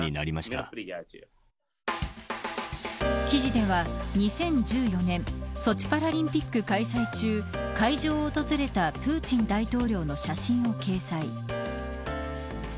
記事では２０１４年ソチパラリンピック開催中会場を訪れたプーチン大統領の写真を掲載。